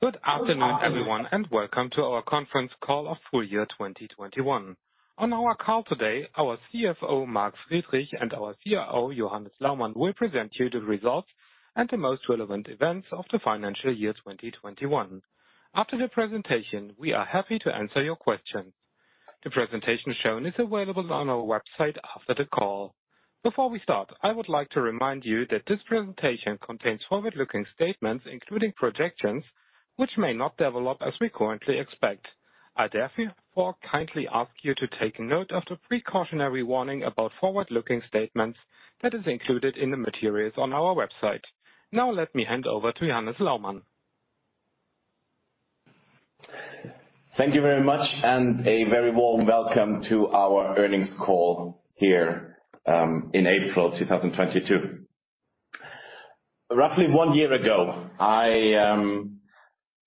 Good afternoon, everyone, and welcome to our conference call of full year 2021. On our call today, our CFO, Mark Friedrich, and our CIO, Johannes Laumann, will present you the results and the most relevant events of the financial year 2021. After the presentation, we are happy to answer your questions. The presentation shown is available on our website after the call. Before we start, I would like to remind you that this presentation contains forward-looking statements, including projections, which may not develop as we currently expect. I therefore kindly ask you to take note of the precautionary warning about forward-looking statements that is included in the materials on our website. Now let me hand over to Johannes Laumann. Thank you very much, and a very warm welcome to our earnings call here, in April 2022. Roughly one year ago,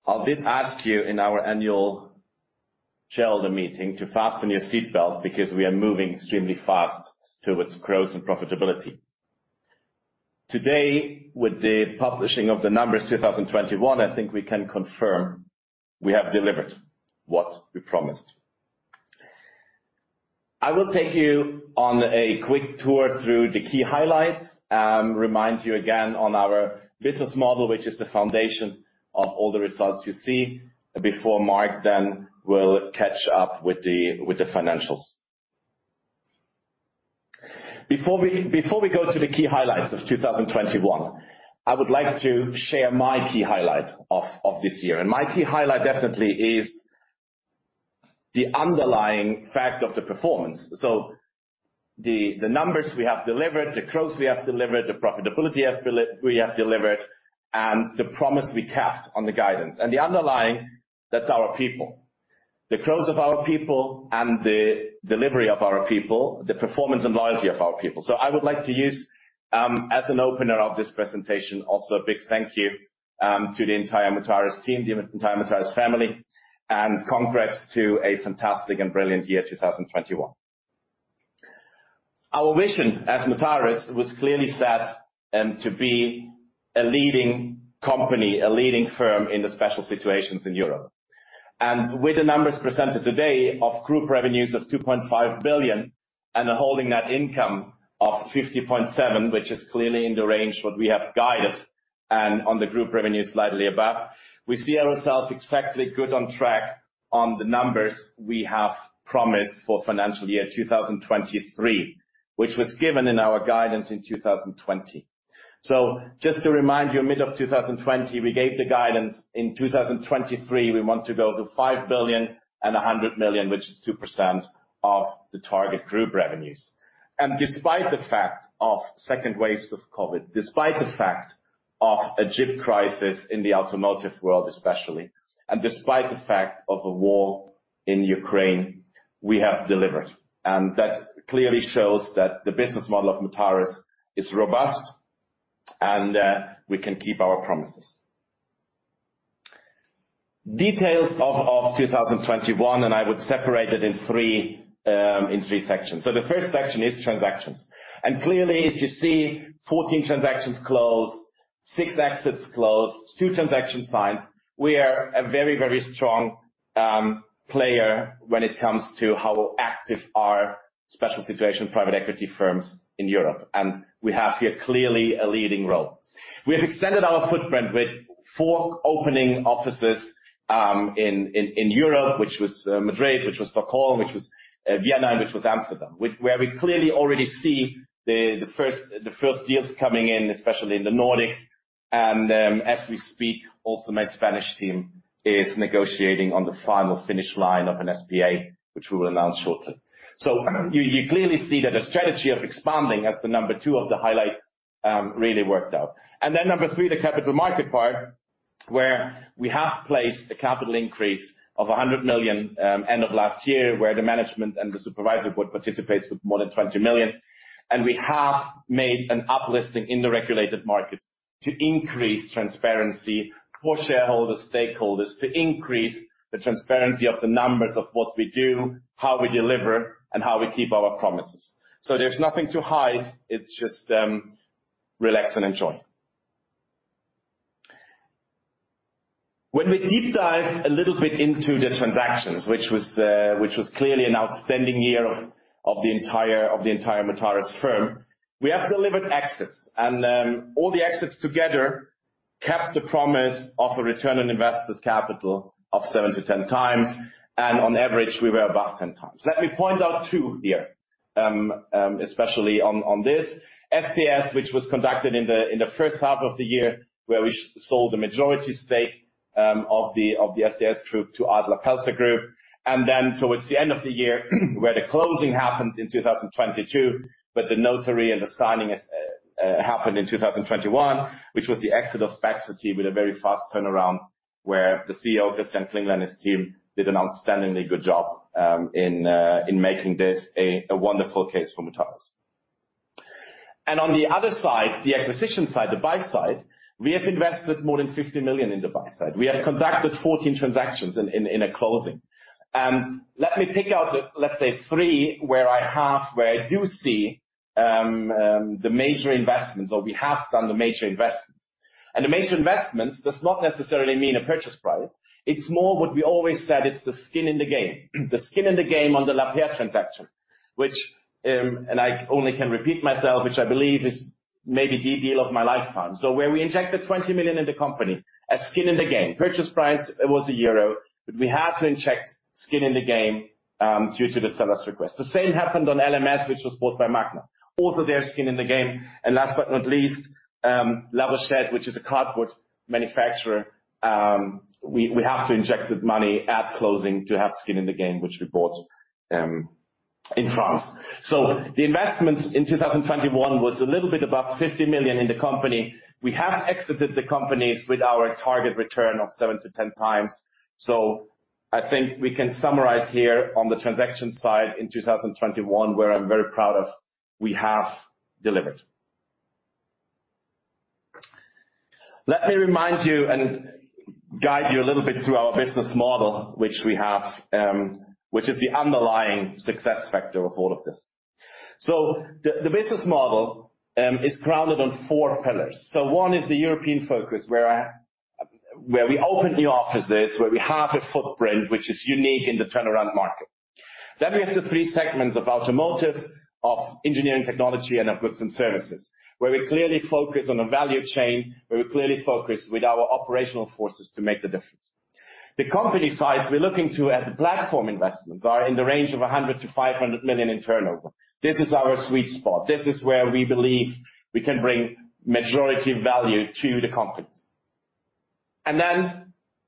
I did ask you in our annual shareholder meeting to fasten your seatbelt because we are moving extremely fast towards growth and profitability. Today, with the publishing of the numbers 2021, I think we can confirm we have delivered what we promised. I will take you on a quick tour through the key highlights, remind you again on our business model, which is the foundation of all the results you see before Mark, then will catch up with the financials. Before we go to the key highlights of 2021, I would like to share my key highlight of this year. My key highlight definitely is the underlying fact of the performance. The numbers we have delivered, the growth we have delivered, the profitability we have delivered, and the promise we kept on the guidance. The underlying, that's our people. The growth of our people and the delivery of our people, the performance and loyalty of our people. I would like to use, as an opener of this presentation, also a big thank you to the entire Mutares team, the entire Mutares family, and congrats to a fantastic and brilliant year, 2021. Our vision as Mutares was clearly set, to be a leading company, a leading firm in the special situations in Europe. With the numbers presented today of group revenues of 2.5 billion and a holding net income of 50.7, which is clearly in the range what we have guided and on the group revenue slightly above, we see ourselves exactly good on track on the numbers we have promised for financial year 2023, which was given in our guidance in 2020. Just to remind you, mid of 2020, we gave the guidance. In 2023, we want to go to 5.1 billion, which is 2% of the target group revenues. Despite the fact of second waves of COVID, despite the fact of a chip crisis in the automotive world, especially, and despite the fact of the war in Ukraine, we have delivered. That clearly shows that the business model of Mutares is robust and we can keep our promises. Details of 2021, and I would separate it in three sections. The first section is transactions. Clearly, if you see 14 transactions closed, six exits closed, two transactions signed. We are a very, very strong player when it comes to how active our special situation private equity firms in Europe. We have here clearly a leading role. We have extended our footprint with four opening offices in Europe, which was Madrid, which was Stockholm, which was Vienna, and which was Amsterdam, where we clearly already see the first deals coming in, especially in the Nordics. as we speak, also my Spanish team is negotiating on the final finish line of an SPA, which we will announce shortly. You clearly see that the strategy of expanding as the number two of the highlights really worked out. Then number three, the capital market part, where we have placed a capital increase of 100 million end of last year, where the management and the supervisory board participates with more than 20 million. We have made an up listing in the regulated market to increase transparency for shareholders, stakeholders, to increase the transparency of the numbers of what we do, how we deliver, and how we keep our promises. There's nothing to hide. It's just relax and enjoy. When we deep dive a little bit into the transactions, which was clearly an outstanding year of the entire Mutares firm, we have delivered exits. All the exits together kept the promise of a return on invested capital of 7x-10x. On average, we were above 10x. Let me point out two here, especially on this. STS, which was conducted in the first half of the year, where we sold the majority stake of the STS Group to Adler Pelzer Group. Towards the end of the year where the closing happened in 2022, but the notary and the signing happened in 2021, which was the exit of BEXity with a very fast turnaround, where the CEO, Christian Klingler, and his team did an outstandingly good job in making this a wonderful case for Mutares. On the other side, the acquisition side, the buy side, we have invested more than 50 million in the buy side. We have conducted 14 transactions in a closing. Let me pick out, let's say three, where I do see the major investments or we have done the major investments. The major investments does not necessarily mean a purchase price. It's more what we always said, it's the skin in the game. The skin in the game on the Lapeyre transaction, which and I only can repeat myself, which I believe is maybe the deal of my lifetime. Where we injected 20 million in the company as skin in the game. Purchase price, it was a euro, but we had to inject skin in the game due to the seller's request. The same happened on LMS, which was bought by Magna, also their skin in the game. Last but not least, La Rochette, which is a cardboard manufacturer, we have to inject the money at closing to have skin in the game, which we bought in France. The investment in 2021 was a little bit above 50 million in the company. We have exited the companies with our target return of 7x-10x. I think we can summarize here on the transaction side in 2021, where I'm very proud of, we have delivered. Let me remind you and guide you a little bit through our business model, which is the underlying success factor of all of this. The business model is grounded on four pillars. One is the European focus, where we open new offices, where we have a footprint, which is unique in the turnaround market. Then we have the three segments of automotive, of engineering technology and of goods and services, where we clearly focus on the value chain, where we clearly focus with our operational forces to make the difference. The company size we're looking to at the platform investments are in the range of 100 million-500 million in turnover. This is our sweet spot. This is where we believe we can bring majority value to the companies.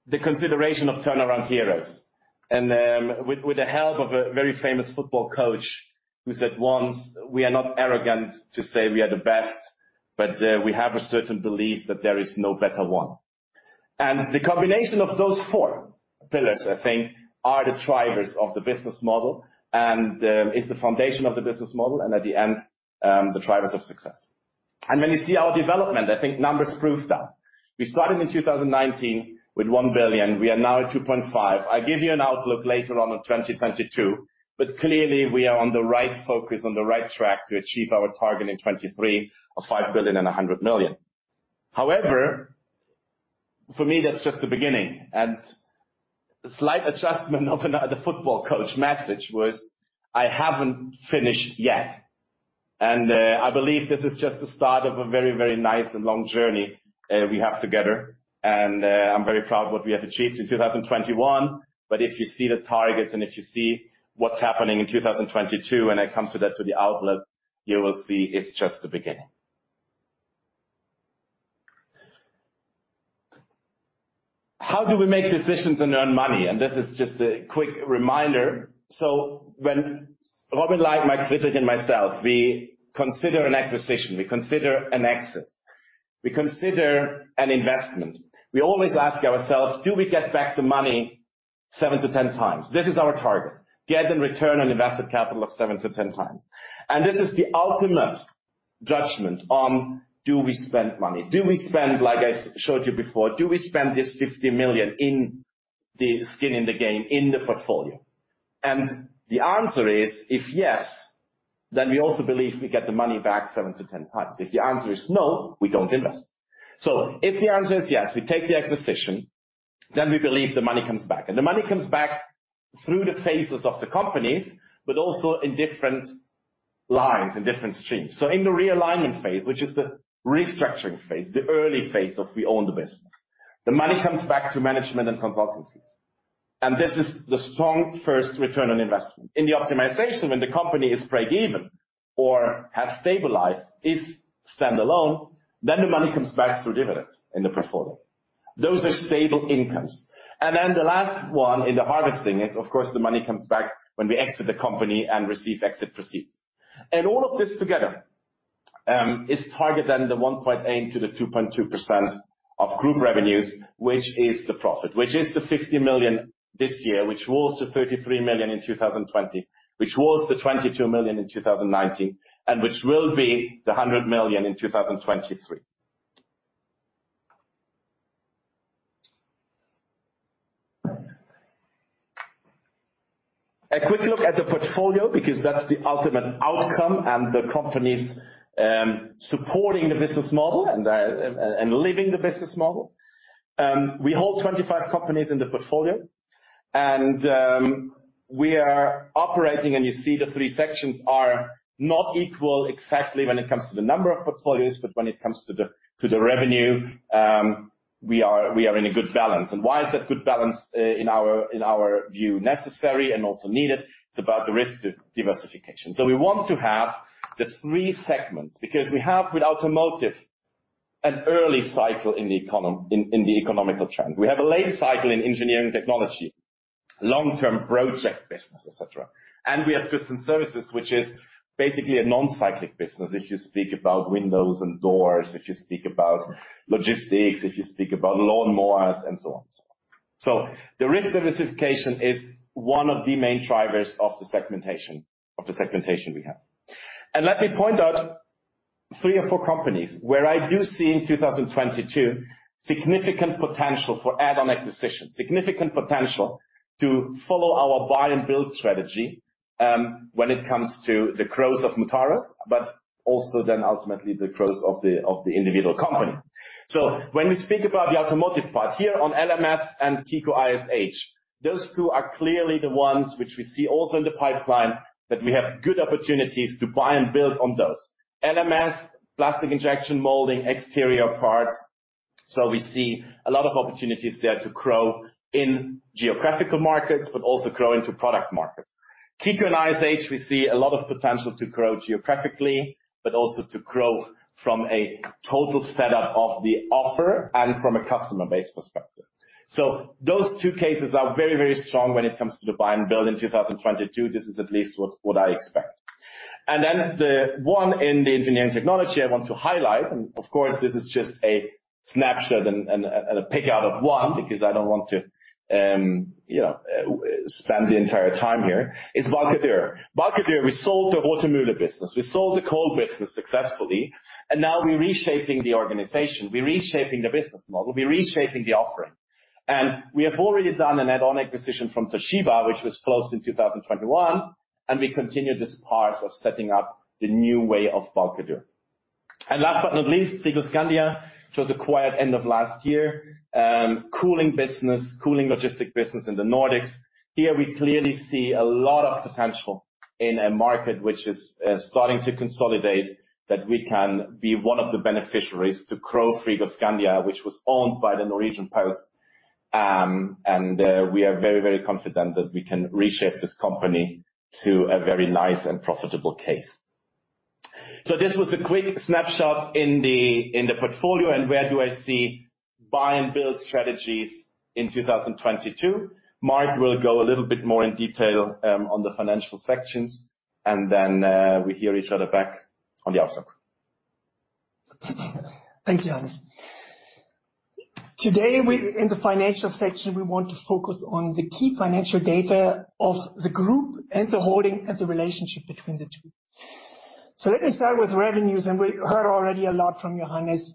The consideration of turnaround heroes. With the help of a very famous football coach who said once, "We are not arrogant to say we are the best, but we have a certain belief that there is no better one." The combination of those four pillars, I think, are the drivers of the business model and is the foundation of the business model and at the end, the drivers of success. When you see our development, I think numbers prove that. We started in 2019 with 1 billion. We are now at 2.5 billion. I give you an outlook later on in 2022, but clearly we are on the right focus, on the right track to achieve our target in 2023 of 5.1 billion. However, for me, that's just the beginning. Slight adjustment of the football coach message was, "I haven't finished yet." I believe this is just the start of a very, very nice and long journey we have together. I'm very proud of what we have achieved in 2021. If you see the targets and if you see what's happening in 2022, and I come to that to the outlook, you will see it's just the beginning. How do we make decisions and earn money? This is just a quick reminder. When Robin Laik and myself, we consider an acquisition, we consider an exit, we consider an investment. We always ask ourselves, "Do we get back the money 7x-10x?" This is our target. Get in return on invested capital of 7x-10x. This is the ultimate judgment on do we spend money? Do we spend, like I showed you before, do we spend this 50 million in the skin in the game, in the portfolio? The answer is, if yes, then we also believe we get the money back 7x-10x. If the answer is no, we don't invest. If the answer is yes, we take the acquisition, then we believe the money comes back. The money comes back through the phases of the companies, but also in different lines and different streams. In the realignment phase, which is the restructuring phase, the early phase of we own the business, the money comes back to management and consultancies. This is the strong first return on investment. In the optimization, when the company is breakeven or has stabilized, is stand-alone, then the money comes back through dividends in the portfolio. Those are stable incomes. Then the last one in the harvesting is, of course, the money comes back when we exit the company and receive exit proceeds. All of this together is targeting the 1.8%-2.2% of group revenues, which is the profit, which is the 50 million this year, which was the 33 million in 2020, which was the 22 million in 2019, and which will be the 100 million in 2023. A quick look at the portfolio because that's the ultimate outcome and the companies supporting the business model and living the business model. We hold 25 companies in the portfolio and we are operating, and you see the three sections are not equal exactly when it comes to the number of portfolios, but when it comes to the revenue, we are in a good balance. Why is that good balance in our view necessary and also needed? It's about the risk of diversification. We want to have the three segments because we have with automotive an early cycle in the economical trend. We have a late cycle in engineering technology, long-term project business, et cetera. We have goods and services, which is basically a non-cyclic business if you speak about windows and doors, if you speak about logistics, if you speak about lawnmowers and so on and so on. The risk diversification is one of the main drivers of the segmentation, of the segmentation we have. Let me point out three or four companies where I do see in 2022 significant potential for add-on acquisition, significant potential to follow our buy and build strategy, when it comes to the growth of Mutares, but also then ultimately the growth of the individual company. When we speak about the automotive part here on LMS and KICO & ISH, those two are clearly the ones which we see also in the pipeline that we have good opportunities to buy and build on those. LMS, plastic injection molding, exterior parts. We see a lot of opportunities there to grow in geographical markets, but also grow into product markets. KICO & ISH, we see a lot of potential to grow geographically, but also to grow from a total setup of the offer and from a customer base perspective. Those two cases are very, very strong when it comes to the buy and build in 2022. This is at least what I expect. Then the one in the engineering technology I want to highlight, and of course, this is just a snapshot and a pick out of one because I don't want to spend the entire time here, is Balcke-Dürr. Balcke-Dürr, we sold the Wärmetauscher business. We sold the coal business successfully, and now we're reshaping the organization. We're reshaping the business model. We're reshaping the offering. We have already done an add-on acquisition from Toshiba, which was closed in 2021, and we continue this path of setting up the new way of Balcke-Dürr. Last but not least, Frigoscandia, which was acquired end of last year. Cooling business, cooling logistics business in the Nordics. Here we clearly see a lot of potential in a market which is starting to consolidate that we can be one of the beneficiaries to grow Frigoscandia, which was owned by Posten Norge. We are very, very confident that we can reshape this company to a very nice and profitable case. This was a quick snapshot in the portfolio and where do I see buy and build strategies in 2022. Mark will go a little bit more in detail on the financial sections, and then we hear each other back on the outlook. Thank you, Johannes. Today, in the financial section, we want to focus on the key financial data of the group and the holding and the relationship between the two. Let me start with revenues, and we heard already a lot from Johannes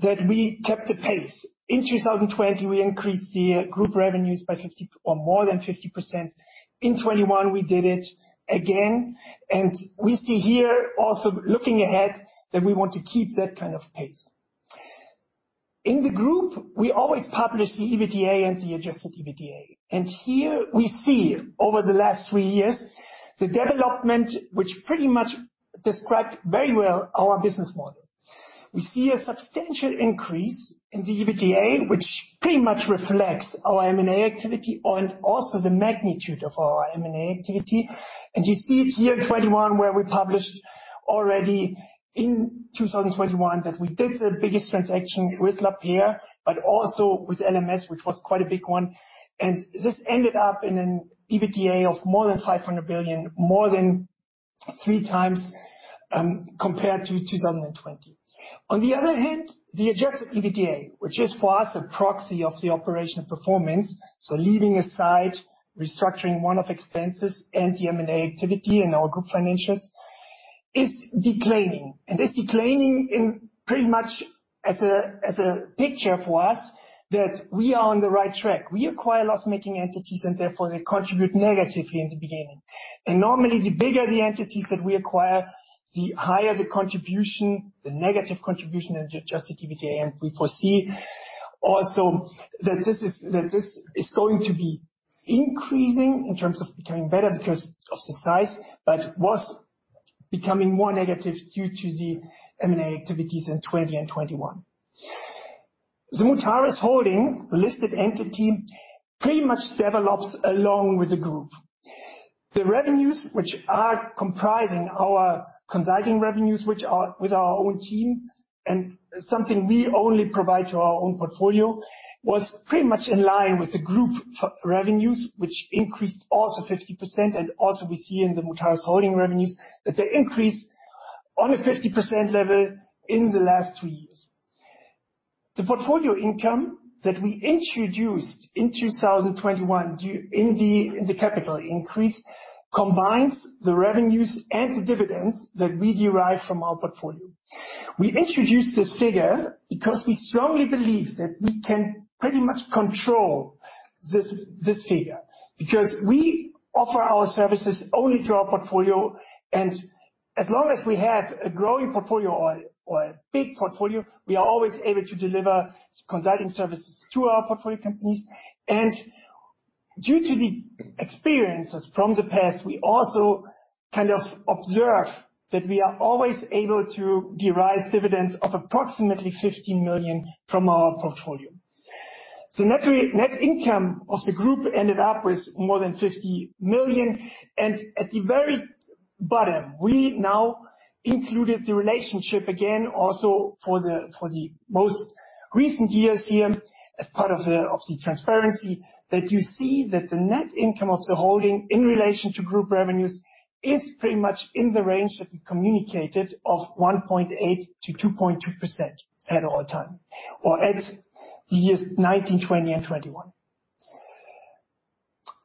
that we kept the pace. In 2020, we increased the group revenues by 50% or more than 50%. In 2021, we did it again. We see here also looking ahead that we want to keep that kind of pace. In the group, we always publish the EBITDA and the adjusted EBITDA. Here we see over the last three years, the development which pretty much describe very well our business model. We see a substantial increase in the EBITDA, which pretty much reflects our M&A activity and also the magnitude of our M&A activity. You see it here in 2021, where we published already in 2021 that we did the biggest transaction with Lapeyre, but also with LMS, which was quite a big one. This ended up in an EBITDA of more than 500 million, more than 3x compared to 2020. On the other hand, the adjusted EBITDA, which is for us a proxy of the operational performance, so leaving aside restructuring one-off expenses and the M&A activity in our group financials, is declining. It's declining in pretty much as a picture for us that we are on the right track. We acquire loss-making entities, and therefore they contribute negatively in the beginning. Normally, the bigger the entities that we acquire, the higher the contribution, the negative contribution and adjusted EBITDA. We foresee also that this is going to be increasing in terms of becoming better because of the size, but was becoming more negative due to the M&A activities in 2020 and 2021. The Mutares Holding, the listed entity, pretty much develops along with the group. The revenues which are comprising our consulting revenues, which are with our own team and something we only provide to our own portfolio, was pretty much in line with the group revenues, which increased also 50%. We see in the Mutares Holding revenues that they increased on a 50% level in the last three years. The portfolio income that we introduced in 2021 due in the capital increase, combines the revenues and the dividends that we derive from our portfolio. We introduced this figure because we strongly believe that we can pretty much control this figure because we offer our services only to our portfolio. As long as we have a growing portfolio or a big portfolio, we are always able to deliver consulting services to our portfolio companies. Due to the experiences from the past, we also kind of observe that we are always able to derive dividends of approximately 15 million from our portfolio. The net income of the group ended up with more than 50 million. At the very bottom, we now included the relationship again, also for the most recent years here as part of the transparency that you see that the net income of the holding in relation to group revenues is pretty much in the range that we communicated of 1.8%-2.2% at all times or at years 2019, 2020, and 2021.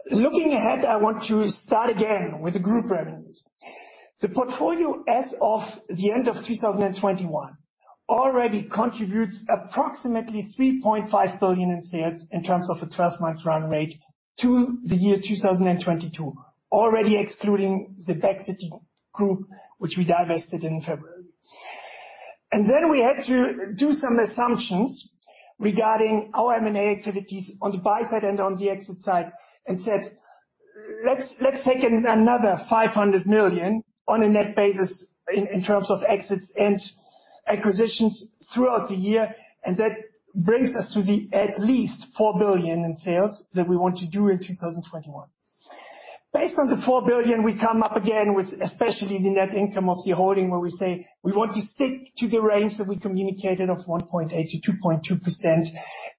Looking ahead, I want to start again with the group revenues. The portfolio as of the end of 2021 already contributes approximately 3.5 billion in sales in terms of a twelve-month run rate to the year 2022. Already excluding the BEXity Group, which we divested in February. Then we had to do some assumptions regarding our M&A activities on the buy side and on the exit side, and said, "Let's take another 500 million on a net basis in terms of exits and acquisitions throughout the year," and that brings us to at least 4 billion in sales that we want to do in 2021. Based on the 4 billion, we come up again with, especially the net income of the holding, where we say, we want to stick to the range that we communicated of 1.8%-2.2%,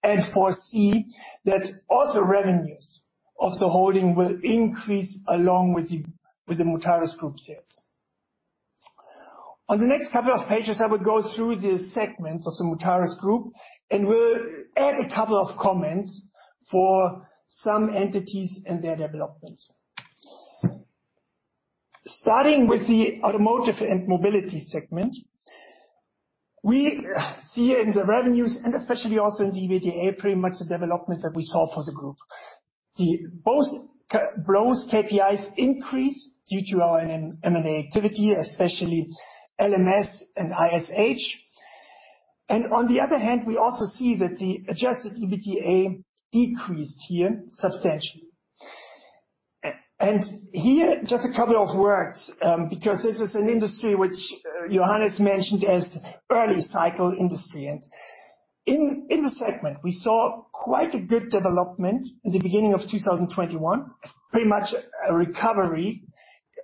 and foresee that also revenues of the holding will increase along with the Mutares Group sales. On the next couple of pages, I will go through the segments of the Mutares Group, and we'll add a couple of comments for some entities and their developments. Starting with the automotive and mobility segment, we see in the revenues, and especially also in the EBITDA, pretty much the development that we saw for the group. Both KPIs increased due to our M&A activity, especially LMS and ISH. On the other hand, we also see that the adjusted EBITDA decreased here substantially. Here, just a couple of words, because this is an industry which Johannes mentioned as early cycle industry. In the segment, we saw quite a good development at the beginning of 2021, pretty much a recovery,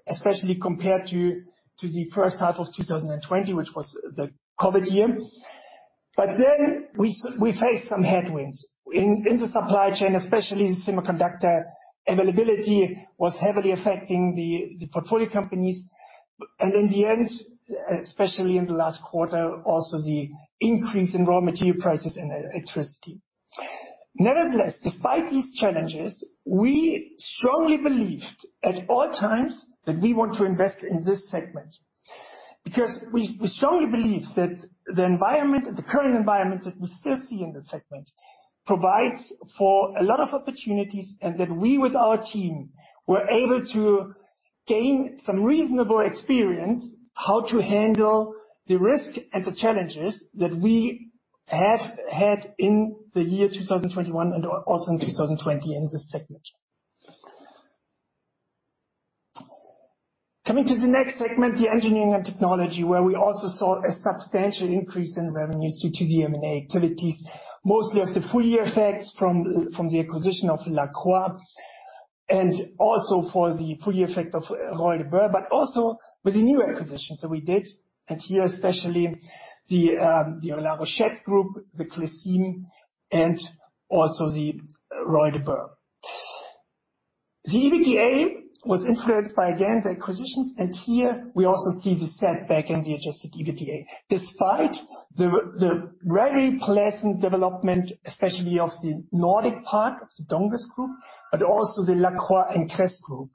especially compared to the first half of 2020, which was the COVID year. We faced some headwinds in the supply chain, especially the semiconductor availability was heavily affecting the portfolio companies. In the end, especially in the last quarter, also the increase in raw material prices and the electricity. Nevertheless, despite these challenges, we strongly believed at all times that we want to invest in this segment. Because we strongly believe that the environment, the current environment that we still see in this segment, provides for a lot of opportunities and that we, with our team, were able to gain some reasonable experience how to handle the risk and the challenges that we have had in the year 2021 and also in 2020 in this segment. Coming to the next segment, the Engineering and Technology, where we also saw a substantial increase in revenues due to the M&A activities, mostly as the full year effects from the acquisition of Lacroix, and also for the full year effect of Royal de Boer, but also with the new acquisitions that we did, and here, especially the La Rochette Group, Clecim, and also Royal de Boer. The EBITDA was influenced by, again, the acquisitions, and here we also see the setback in the adjusted EBITDA, despite the very pleasant development, especially of the Nordic part of the Donges Group, but also the Lacroix + Kress Group.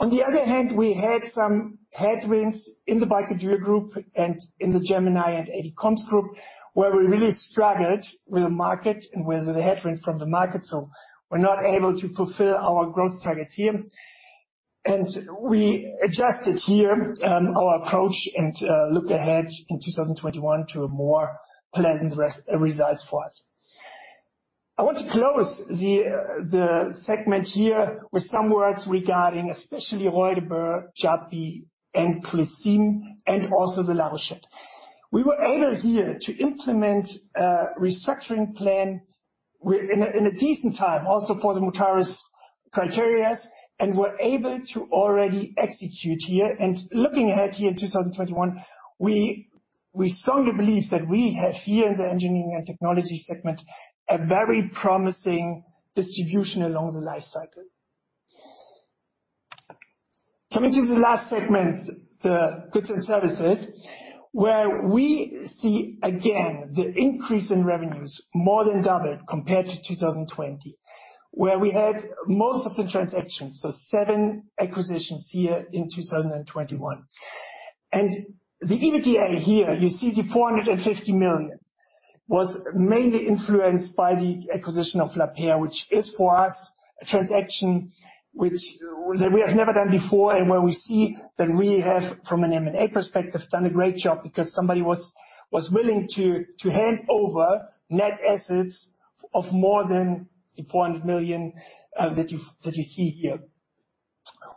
On the other hand, we had some headwinds in the Balcke-Dürr Group and in the Gemini Rail Group and ADComms Group, where we really struggled with the market and with the headwind from the market. We're not able to fulfill our growth targets here. We adjusted here our approach and look ahead in 2021 to more pleasant results for us. I want to close the segment here with some words regarding especially Royal de Boer, JAPY, and Clecim, and also La Rochette. We were able here to implement a restructuring plan in a decent time also for the Mutares criteria and were able to already execute here. Looking ahead here in 2021, we strongly believe that we have here in the engineering and technology segment a very promising distribution along the life cycle. Coming to the last segment, the goods and services, where we see again the increase in revenues more than double compared to 2020, where we had most of the transactions, so seven acquisitions here in 2021. The EBITDA here, you see the 450 million, was mainly influenced by the acquisition of Lapeyre, which is for us a transaction which we have never done before and where we see that we have, from an M&A perspective, done a great job because somebody was willing to hand over net assets of more than the 400 million that you see here.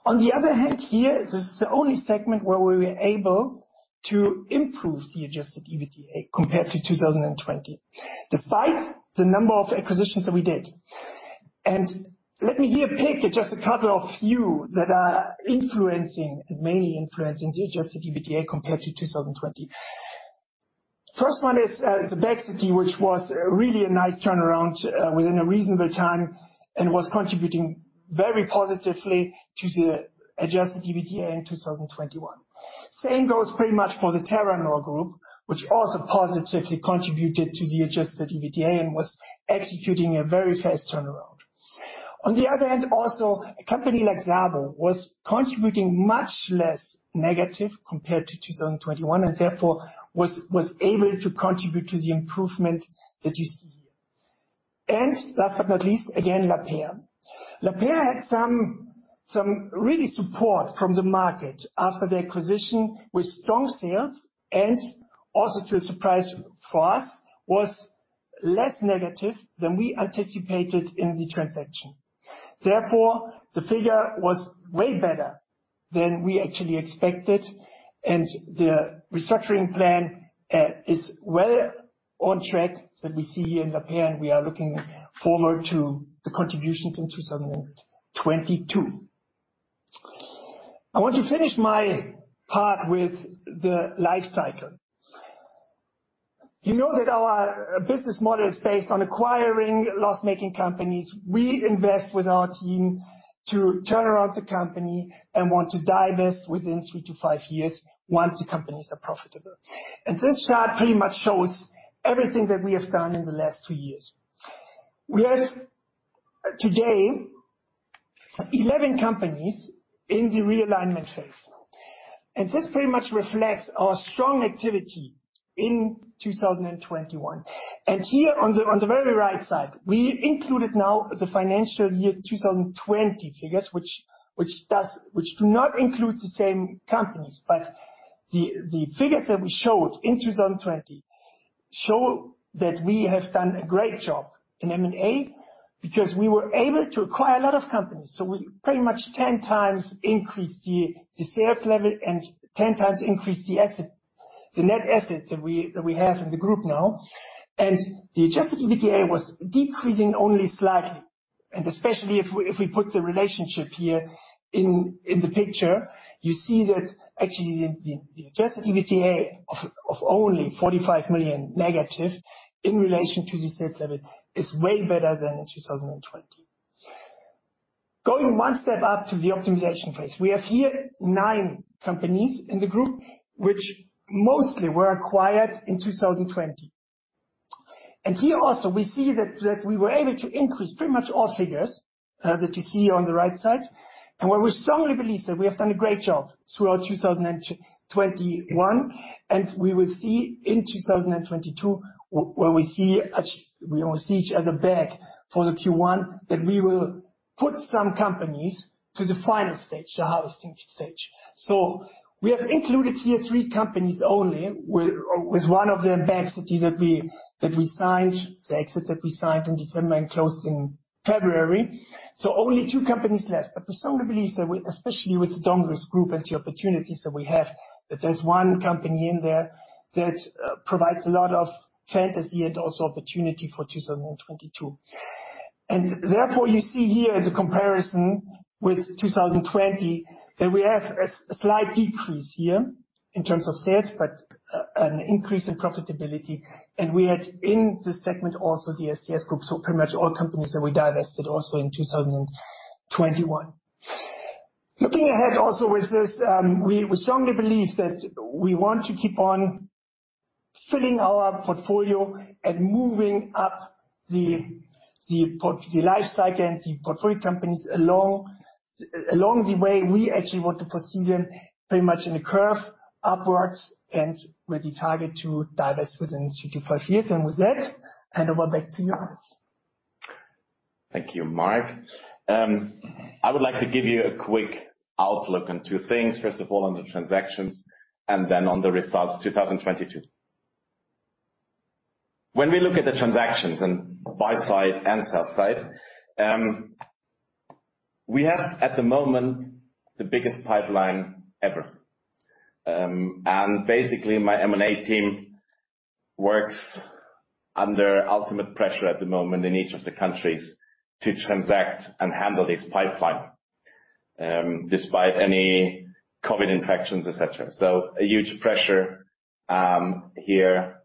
On the other hand, here, this is the only segment where we were able to improve the adjusted EBITDA compared to 2020, despite the number of acquisitions that we did. Let me here pick just a couple of few that are influencing, mainly influencing the adjusted EBITDA compared to 2020. First one is the BEXity, which was really a nice turnaround within a reasonable time and was contributing very positively to the adjusted EBITDA in 2021. Same goes pretty much for the Terranor Group, which also positively contributed to the adjusted EBITDA and was executing a very fast turnaround. On the other hand, also, a company like SABO was contributing much less negative compared to 2021, and therefore was able to contribute to the improvement that you see here. Last but not least, again, Lapeyre. Lapeyre had some really support from the market after the acquisition with strong sales and also to a surprise for us, was less negative than we anticipated in the transaction. Therefore, the figure was way better than we actually expected, and the restructuring plan is well on track that we see here in Lapeyre, and we are looking forward to the contributions in 2022. I want to finish my part with the life cycle. You know that our business model is based on acquiring loss-making companies. We invest with our team to turn around the company and want to divest within three to five years once the companies are profitable. This chart pretty much shows everything that we have done in the last two years. We have today 11 companies in the realignment phase. This pretty much reflects our strong activity in 2021. Here on the very right side, we included now the financial year 2020 figures, which do not include the same companies. The figures that we showed in 2020 show that we have done a great job in M&A because we were able to acquire a lot of companies. We pretty much 10x increased the sales level and 10x increased the net assets that we have in the group now. The adjusted EBITDA was decreasing only slightly. Especially if we put the relationship here in the picture, you see that actually the adjusted EBITDA -45 million in relation to the sales level is way better than in 2020. Going one step up to the optimization phase. We have here nine companies in the group which mostly were acquired in 2020. Here also we see that we were able to increase pretty much all figures that you see on the right side. We strongly believe that we have done a great job throughout 2021. We will see in 2022 when we see each other back for the Q1 that we will put some companies to the final stage, the harvesting stage. We have included here three companies only, with one of them, BEXity, that we signed, the exit that we signed in December and closed in February. Only two companies left. I personally believe that we, especially with the Donges Group and the opportunities that we have, that there's one company in there that provides a lot of fantasy and also opportunity for 2022. Therefore, you see here the comparison with 2020, that we have a slight decrease here in terms of sales, but an increase in profitability. We had in this segment also the STS Group, so pretty much all companies that we divested also in 2021. Looking ahead also with this, we strongly believe that we want to keep on filling our portfolio and moving up the life cycle and the portfolio companies along the way. We actually want to proceed them pretty much in a curve upwards and with the target to divest within three to five years. With that, hand over back to you, Johannes. Thank you, Mark. I would like to give you a quick outlook on two things. First of all on the transactions and then on the results 2022. When we look at the transactions on buy side and sell side, we have at the moment the biggest pipeline ever. Basically, my M&A team works under ultimate pressure at the moment in each of the countries to transact and handle this pipeline, despite any COVID infections, et cetera. A huge pressure here,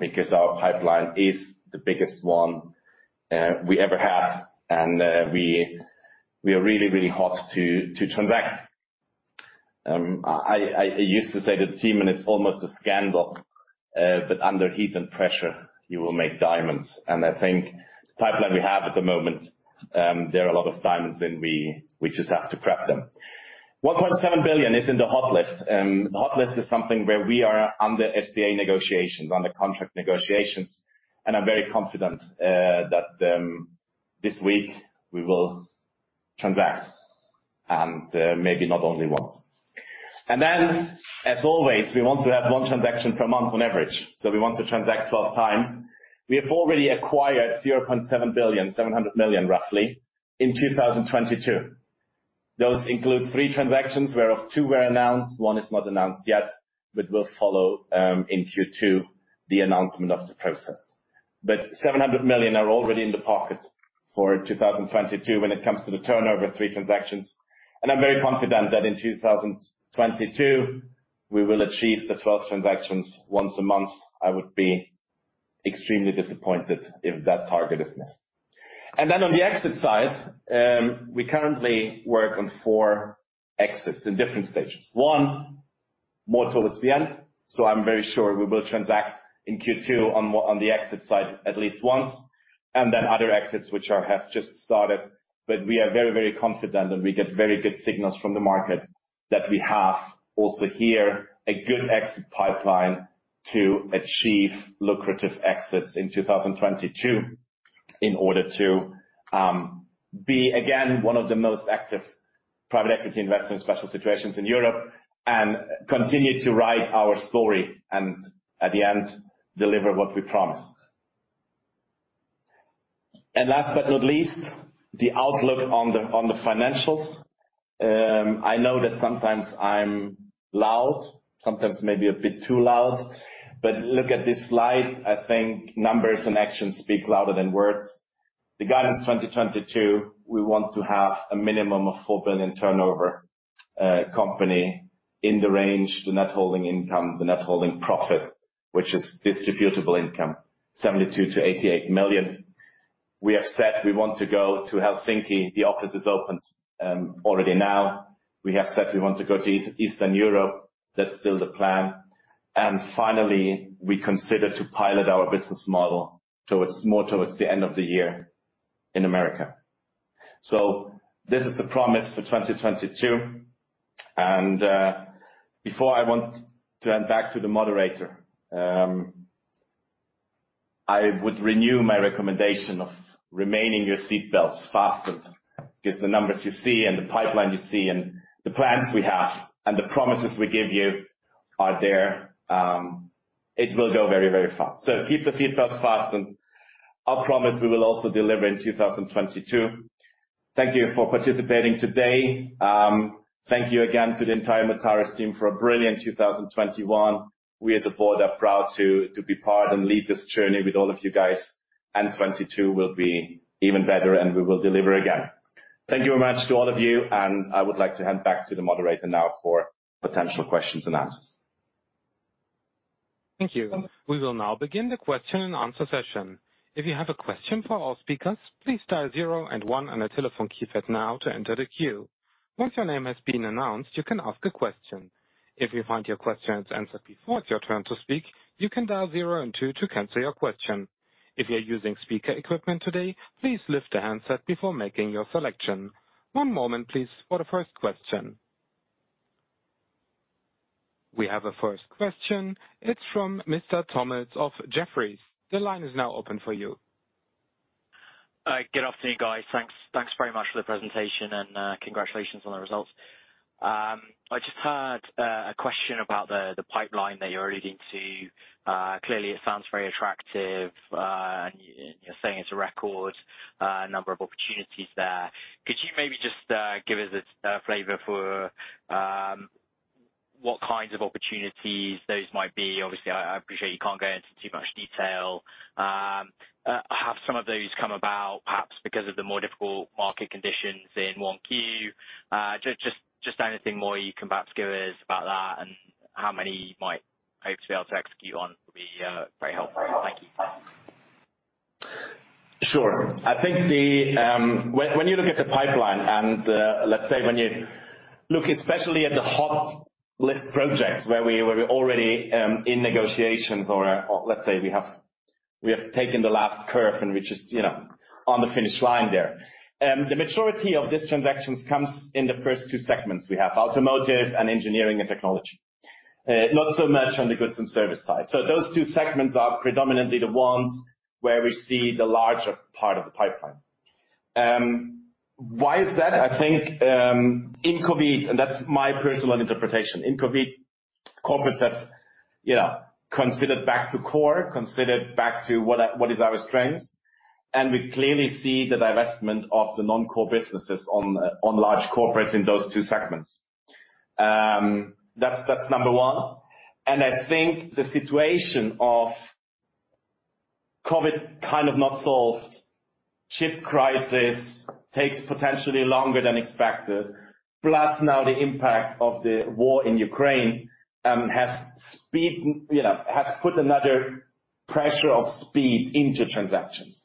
because our pipeline is the biggest one we ever had, and we are really hot to transact. I used to say to the team, and it's almost a scandal, but under heat and pressure, you will make diamonds. I think the pipeline we have at the moment, there are a lot of diamonds, and we just have to prep them. 1.7 billion is in the hot list. The hot list is something where we are under SPA negotiations, under contract negotiations, and I'm very confident that this week we will transact, and maybe not only once. Then, as always, we want to have one transaction per month on average. We want to transact 12 times. We have already acquired 0.7 billion, 700 million roughly, in 2022. Those include three transactions, whereof two were announced, one is not announced yet, but will follow in Q2, the announcement of the process. Seven hundred million are already in the pocket for 2022 when it comes to the turnover, three transactions. I'm very confident that in 2022 we will achieve the 12 transactions once a month. I would be extremely disappointed if that target is missed. Then on the exit side, we currently work on four exits in different stages. One, more towards the end, so I'm very sure we will transact in Q2 on the exit side at least once, and then other exits which have just started. We are very, very confident, and we get very good signals from the market that we have also here a good exit pipeline to achieve lucrative exits in 2022 in order to be again, one of the most active private equity investors in special situations in Europe and continue to write our story and at the end, deliver what we promised. Last but not least, the outlook on the financials. I know that sometimes I'm loud, sometimes maybe a bit too loud, but look at this slide. I think numbers and actions speak louder than words. The guidance 2022, we want to have a minimum of 4 billion turnover, company in the range, the net holding income, the net holding profit, which is distributable income, 72 million-88 million. We have said we want to go to Helsinki. The office is opened, already now. We have said we want to go to Eastern Europe. That's still the plan. Finally, we consider to pilot our business model towards more towards the end of the year in America. This is the promise for 2022. Before I want to hand back to the moderator, I would renew my recommendation of remaining your seatbelts fastened because the numbers you see and the pipeline you see and the plans we have and the promises we give you are there. It will go very, very fast. Keep the seatbelts fastened. I promise we will also deliver in 2022. Thank you for participating today. Thank you again to the entire Mutares team for a brilliant 2021. We as a board are proud to be part and lead this journey with all of you guys, and 2022 will be even better, and we will deliver again. Thank you very much to all of you, and I would like to hand back to the moderator now for potential questions and answers. Thank you. We will now begin the question and answer session. If you have a question for our speakers, please dial zero and one on your telephone keypad now to enter the queue. Once your name has been announced, you can ask a question. If you find your question has answered before it's your turn to speak, you can dial zero and two to cancel your question. If you're using speaker equipment today, please lift the handset before making your selection. One moment, please, for the first question. We have a first question. It's from Mr. Tom Mills of Jefferies. The line is now open for you. Good afternoon, guys. Thanks very much for the presentation and congratulations on the results. I just had a question about the pipeline that you're alluding to. Clearly it sounds very attractive, and you're saying it's a record number of opportunities there. Could you maybe just give us a flavor for what kinds of opportunities those might be? Obviously, I appreciate you can't go into too much detail. Have some of those come about perhaps because of the more difficult market conditions in 1Q? Just anything more you can perhaps give us about that and how many you might hope to be able to execute on will be very helpful. Thank you. Sure. I think. When you look at the pipeline and, let's say when you look especially at the hot list projects where we're already in negotiations or let's say we have taken the last curve and we're just, you know, on the finish line there. The majority of these transactions comes in the first two segments we have, Automotive and Engineering and Technology. Not so much on the Goods and Services side. Those two segments are predominantly the ones where we see the larger part of the pipeline. Why is that? I think in COVID, and that's my personal interpretation. In COVID, corporates have, you know, considered back to core, considered back to what are our strengths, and we clearly see the divestment of the non-core businesses on large corporates in those two segments. That's number one. I think the situation of COVID kind of not solved, chip crisis takes potentially longer than expected. Plus now the impact of the war in Ukraine has put another pressure of speed into transactions.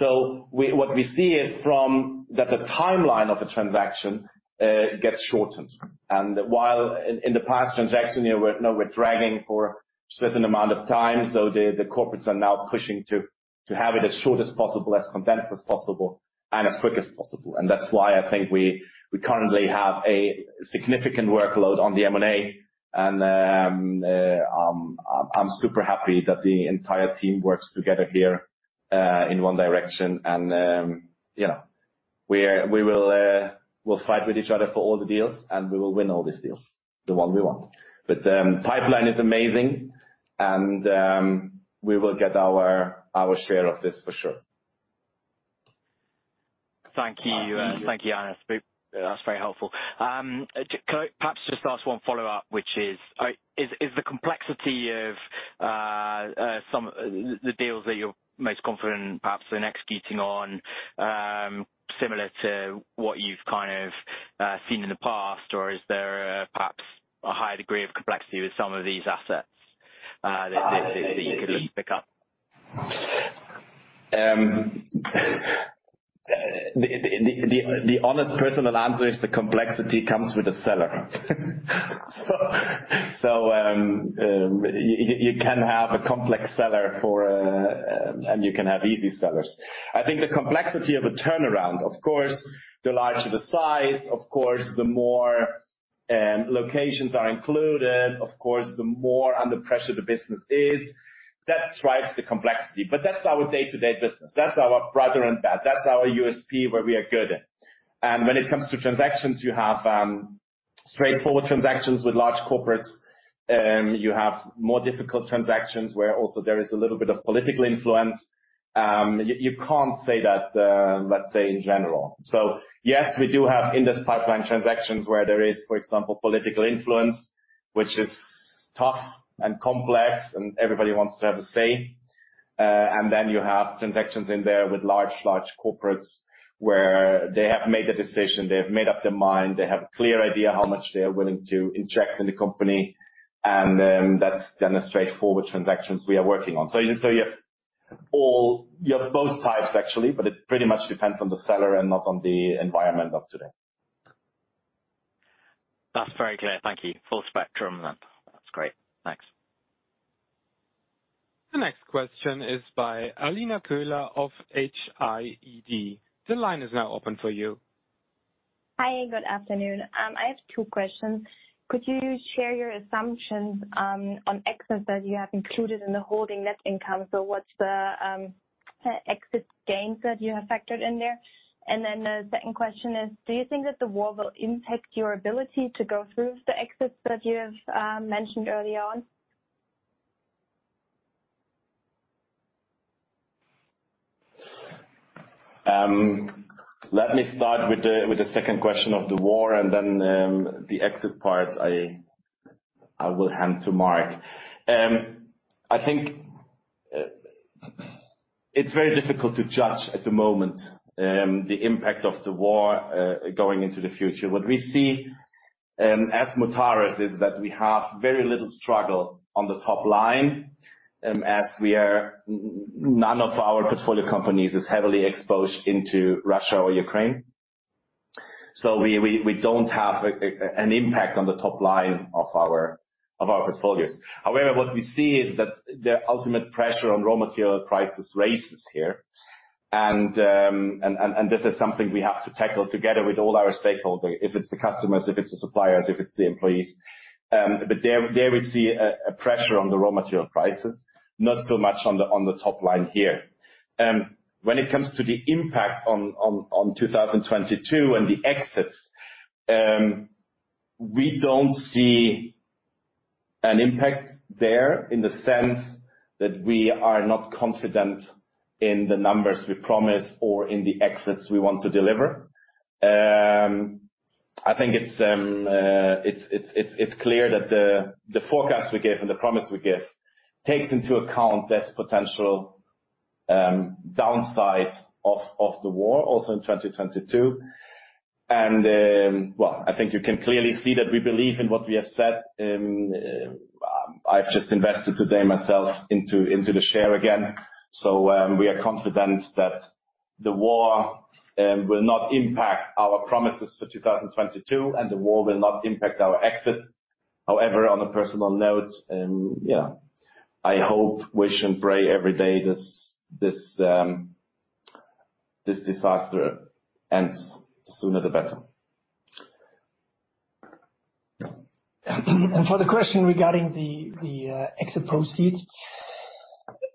You know, what we see is that the timeline of the transaction gets shortened. While in the past transaction, you know, we're dragging for certain amount of time. The corporates are now pushing to have it as short as possible, as condensed as possible and as quick as possible. That's why I think we currently have a significant workload on the M&A, and I'm super happy that the entire team works together here in one direction and, you know. We'll fight with each other for all the deals and we will win all these deals, the one we want. Pipeline is amazing and we will get our share of this for sure. Thank you. Thank you. Thank you, Johannes. That's very helpful. Could I perhaps just ask one follow-up, which is the complexity of some of the deals that you're most confident perhaps in executing on, similar to what you've kind of seen in the past, or is there perhaps a higher degree of complexity with some of these assets, that you could look to pick up? The honest personal answer is the complexity comes with the seller. You can have a complex seller for. You can have easy sellers. I think the complexity of a turnaround, of course, the larger the size, of course, the more locations are included, of course, the more under pressure the business is. That drives the complexity. But that's our day-to-day business. That's our bread and butter. That's our USP, where we are good at. When it comes to transactions, you have straightforward transactions with large corporates, you have more difficult transactions where also there is a little bit of political influence. You can't say that, let's say, in general. Yes, we do have in this pipeline transactions where there is, for example, political influence, which is tough and complex, and everybody wants to have a say. Then you have transactions in there with large corporates where they have made the decision, they have made up their mind, they have a clear idea how much they are willing to inject in the company, and that's then the straightforward transactions we are working on. You have both types actually, but it pretty much depends on the seller and not on the environment of today. That's very clear. Thank you. Full spectrum then. That's great. Thanks. The next question is by Alina Köhler of HIED. The line is now open for you. Hi, good afternoon. I have two questions. Could you share your assumptions on exits that you have included in the holding net income? What's the exit gains that you have factored in there? The second question is: do you think that the war will impact your ability to go through the exits that you have mentioned early on? Let me start with the second question of the war, and then the exit part I will hand to Mark. I think it's very difficult to judge at the moment the impact of the war going into the future. What we see as Mutares is that we have very little exposure on the top line, as none of our portfolio companies is heavily exposed to Russia or Ukraine. So we don't have an impact on the top line of our portfolios. However, what we see is that the upward pressure on raw material prices is rising here, and this is something we have to tackle together with all our stakeholders, if it's the customers, if it's the suppliers, if it's the employees. There we see a pressure on the raw material prices, not so much on the top line here. When it comes to the impact on 2022 and the exits, we don't see an impact there in the sense that we are not confident in the numbers we promise or in the exits we want to deliver. I think it's clear that the forecast we give and the promise we give takes into account this potential downside of the war also in 2022. I think you can clearly see that we believe in what we have said. I've just invested today myself into the share again. We are confident that the war will not impact our promises for 2022, and the war will not impact our exits. However, on a personal note, yeah, I hope, wish, and pray every day this disaster ends, the sooner, the better. For the question regarding the exit proceeds,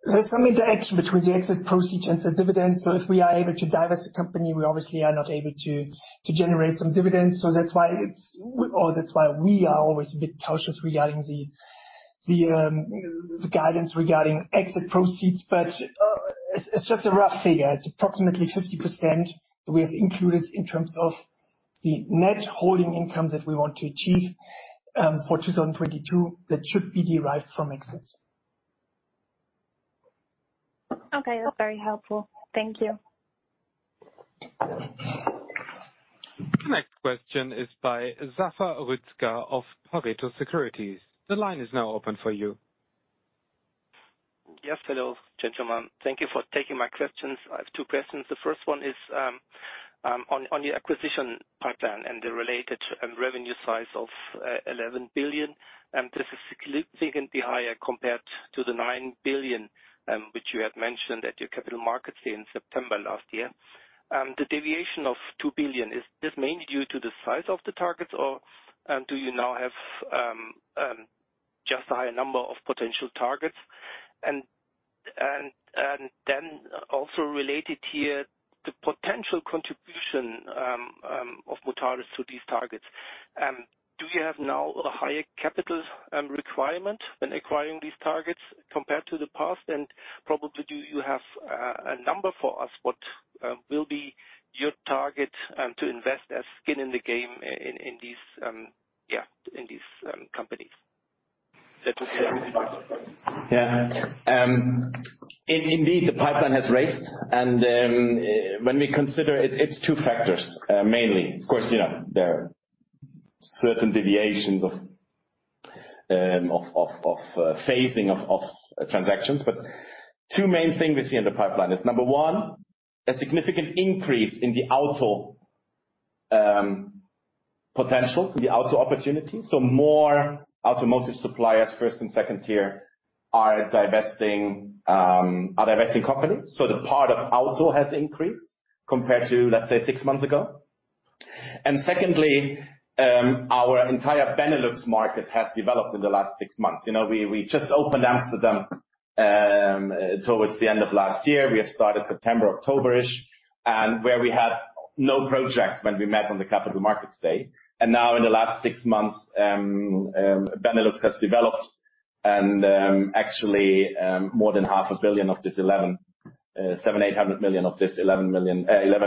there's some interaction between the exit proceeds and the dividends. If we are able to divest the company, we obviously are not able to generate some dividends. That's why we are always a bit cautious regarding the guidance regarding exit proceeds. It's just a rough figure. It's approximately 50% we have included in terms of the net holding income that we want to achieve for 2022 that should be derived from exits. Okay, that's very helpful. Thank you. Next question is by Zafer Rüzgar of Pareto Securities. The line is now open for you. Yes. Hello, gentlemen. Thank you for taking my questions. I have two questions. The first one is on your acquisition pipeline and the related revenue size of 11 billion. This is significantly higher compared to the 9 billion which you had mentioned at your capital markets in September last year. The deviation of 2 billion, is this mainly due to the size of the targets or do you now have just a higher number of potential targets? Then also related here, the potential contribution of Mutares to these targets. Do you have now a higher capital requirement when acquiring these targets compared to the past. Probably do you have a number for us what will be your target to invest as skin in the game in these companies? Yeah. Indeed, the pipeline has risen and when we consider it's two factors mainly. Of course, you know, there are certain deviations in phasing of transactions. Two main thing we see in the pipeline is, number one, a significant increase in the auto potential, the auto opportunity. More automotive suppliers, first and second tier, are divesting companies. The part of auto has increased compared to, let's say, six months ago. Secondly, our entire Benelux market has developed in the last six months. You know, we just opened Amsterdam towards the end of last year. We had started September, October-ish, and whereas we had no projects when we met on the capital markets day. Now in the last six months, Benelux has developed, and actually, than 0.5 billion of this 11.78 million of this 11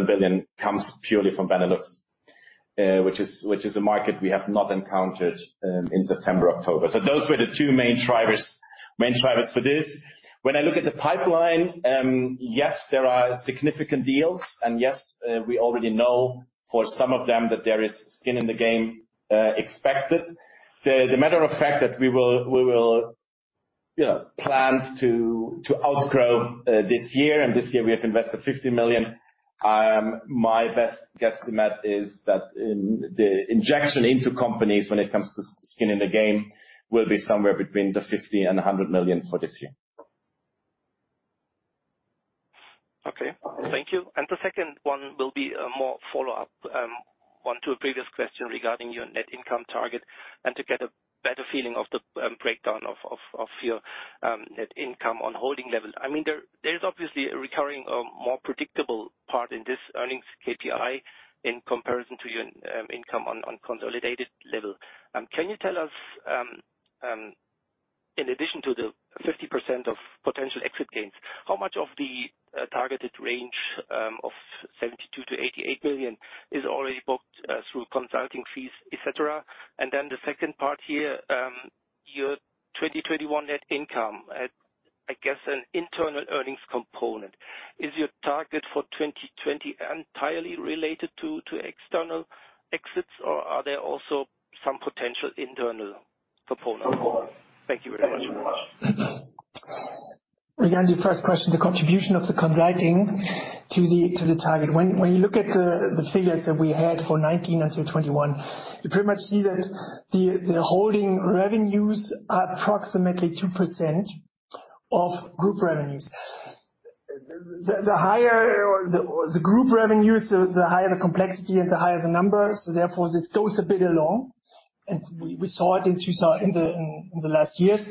billion comes purely from Benelux, which is a market we have not encountered in September, October. Those were the two main drivers for this. When I look at the pipeline, yes, there are significant deals, and yes, we already know for some of them that there is skin in the game expected. As a matter of fact that we will, you know, plan to outgrow this year and this year we have invested 50 million. My best guesstimate is that in the injection into companies when it comes to skin in the game will be somewhere between 50 million and 100 million for this year. Okay. Thank you. The second one will be a more follow-up on to a previous question regarding your net income target and to get a better feeling of the breakdown of your net income on holding level. I mean, there's obviously a recurring more predictable part in this earnings KPI in comparison to your income on consolidated level. Can you tell us in addition to the 50% of potential exit gains, how much of the targeted range of 72 million-88 million is already booked through consulting fees, et cetera? The second part here, your 2021 net income that I guess an internal earnings component. Is your target for 2020 entirely related to external exits, or are there also some potential internal components? Thank you very much. Again, the first question, the contribution of the consulting to the target. When you look at the figures that we had for 2019 until 2021, you pretty much see that the holding revenues are approximately 2% of group revenues. The higher the group revenues, the higher the complexity and the higher the numbers, therefore, this goes a bit along, and we saw it in the last years.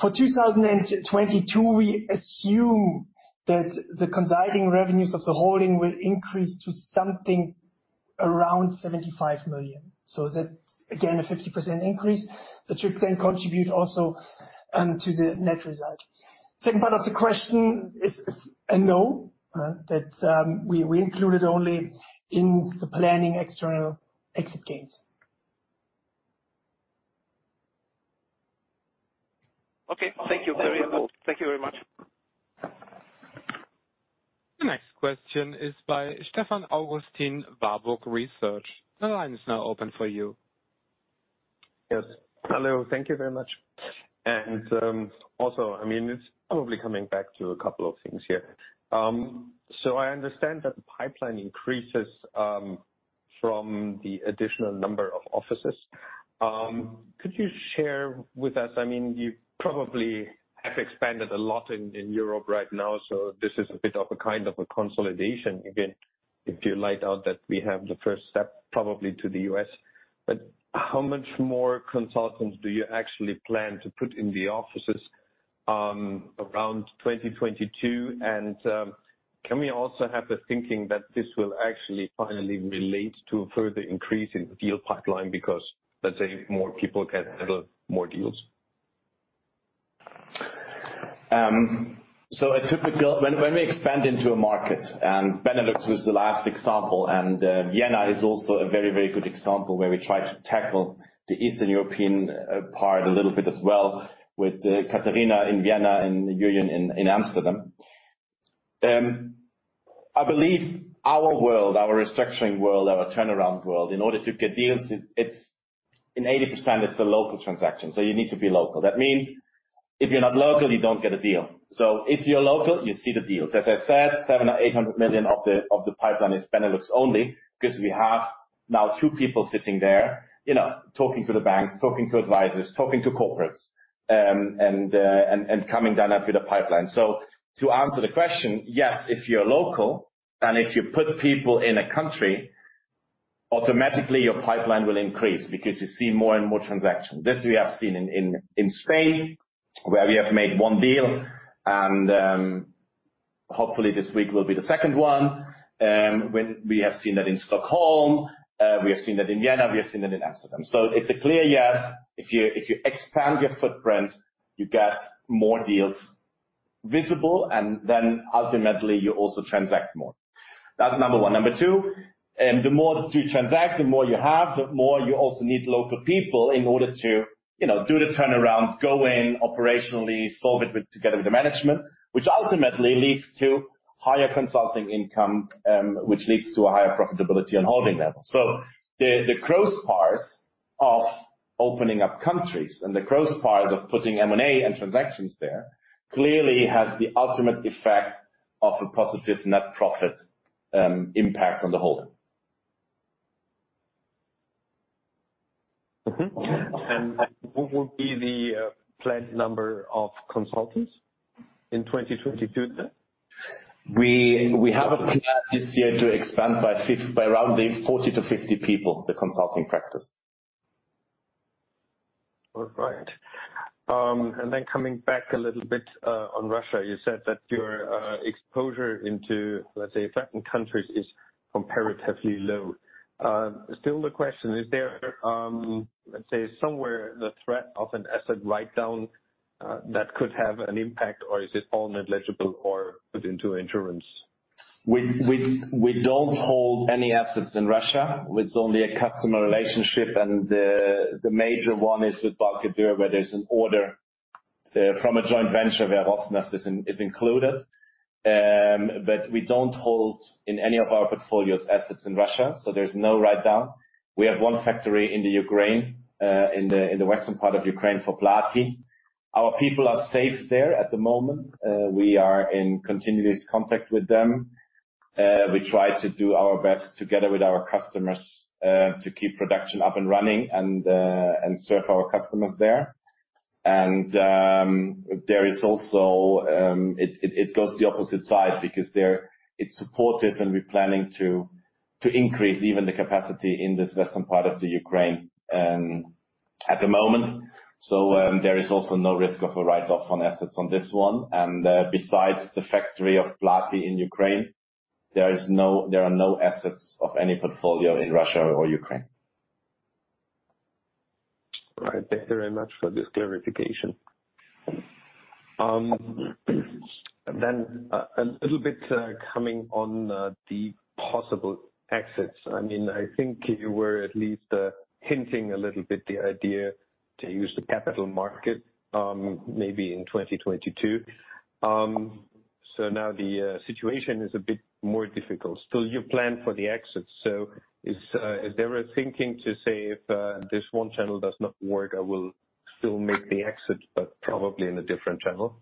For 2022, we assume that the consulting revenues of the holding will increase to something around 75 million. So that's again, a 50% increase, which should then contribute also to the net result. Second part of the question is a no. We included only in the planning external exit gains. Okay. Thank you very much. Thank you. Thank you very much. The next question is by Stefan Augustin, Warburg Research. The line is now open for you. Yes. Hello. Thank you very much. Also, I mean, it's probably coming back to a couple of things here. So I understand that the pipeline increases from the additional number of offices. Could you share with us, I mean, you probably have expanded a lot in Europe right now, so this is a bit of a kind of a consolidation again, if you laid out that we have the first step probably to the U.S.. But how much more consultants do you actually plan to put in the offices around 2022? Can we also have the thinking that this will actually finally relate to a further increase in deal pipeline because, let's say, more people get a little more deals? When we expand into a market, and Benelux was the last example, and Vienna is also a very, very good example where we try to tackle the Eastern European part a little bit as well with Katarina in Vienna and Julian in Amsterdam. I believe our world, our restructuring world, our turnaround world, in order to get deals, it's 80%, it's a local transaction. You need to be local. That means if you're not local, you don't get a deal. If you're local, you see the deal. As I said, 700 million-800 million of the pipeline is Benelux only because we have now two people sitting there, you know, talking to the banks, talking to advisors, talking to corporates, and coming up with a pipeline. To answer the question, yes, if you're local and if you put people in a country, automatically your pipeline will increase because you see more and more transactions. This we have seen in Spain, where we have made one deal, and hopefully this week will be the second one. When we have seen that in Stockholm, we have seen that in Vienna, we have seen that in Amsterdam. It's a clear yes. If you expand your footprint, you get more deals visible, and then ultimately, you also transact more. That's number one. Number two, the more that you transact, the more you have, the more you also need local people in order to, you know, do the turnaround, go in operationally, solve it together with the management, which ultimately leads to higher consulting income, which leads to a higher profitability on holding level. The growth parts of opening up countries and the cross paths of putting M&A and transactions there clearly has the ultimate effect of a positive net profit impact on the whole. Mm-hmm. What will be the planned number of consultants in 2022 then? We have a plan this year to expand by around 40-50 people, the consulting practice. All right. Coming back a little bit on Russia. You said that your exposure to, let's say, certain countries is comparatively low. Still, the question is there, let's say, somewhere the threat of an asset write-down that could have an impact, or is it all negligible or put into insurance? We don't hold any assets in Russia. It's only a customer relationship and the major one is with Balcke-Dürr, where there's an order from a joint venture where Rosneft is included. But we don't hold in any of our portfolios assets in Russia, so there's no write-down. We have one factory in the Ukraine, in the western part of Ukraine for Plati. Our people are safe there at the moment. We are in continuous contact with them. We try to do our best together with our customers to keep production up and running and serve our customers there. There is also it goes the opposite side because they're supportive and we're planning to increase even the capacity in this western part of the Ukraine at the moment. There is also no risk of a write-off on assets on this one. Besides the factory of Plati in Ukraine, there are no assets of any portfolio in Russia or Ukraine. All right. Thank you very much for this clarification. A little bit commenting on the possible exits. I mean, I think you were at least hinting a little bit the idea to use the capital market, maybe in 2022. Now the situation is a bit more difficult. Still you plan for the exits, so is there a thinking to say if this one channel does not work, I will still make the exit, but probably in a different channel?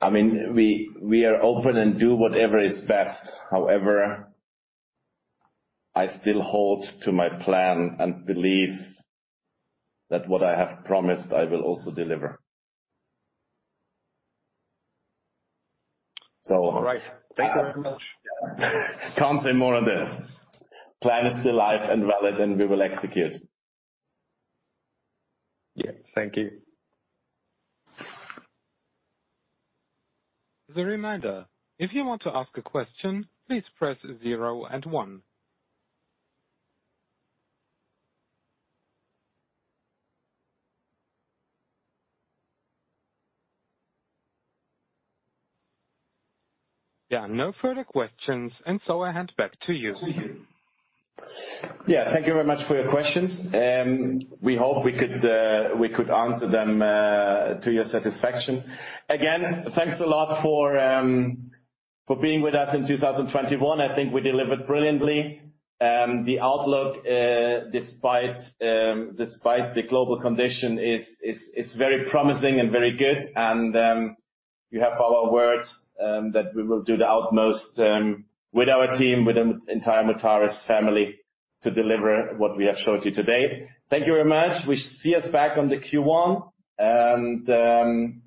I mean, we are open and do whatever is best. However, I still hold to my plan and believe that what I have promised, I will also deliver. All right. Thank you very much. Can't say more than this. Plan is still live and valid, and we will execute. Yeah. Thank you. As a reminder, if you want to ask a question, please press zero and one. There are no further questions, and so I hand back to you. Yeah. Thank you very much for your questions. We hope we could answer them to your satisfaction. Again, thanks a lot for being with us in 2021. I think we delivered brilliantly. The outlook, despite the global condition is very promising and very good and you have our word that we will do the utmost with our team, with the entire Mutares family, to deliver what we have showed you today. Thank you very much. See us back on the Q1 and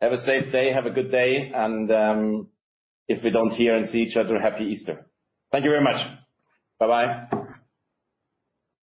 have a safe day, have a good day and if we don't hear and see each other, Happy Easter. Thank you very much. Bye-bye.